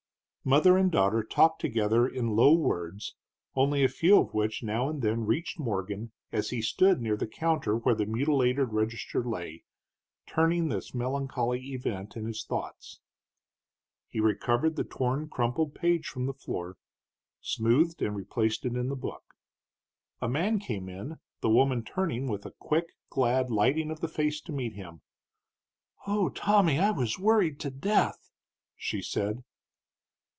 Mother and daughter talked together in low words, only a few of which now and then reached Morgan as he stood near the counter where the mutilated register lay, turning this melancholy event in his thoughts. He recovered the torn crumpled page from the floor, smoothed and replaced it in the book. A man came in, the woman turning with a quick glad lighting of the face to meet him. "O Tommy! I was worried to death!" she said.